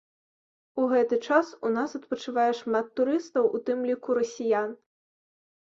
У гэты час у нас адпачывае шмат турыстаў, у тым ліку расіян.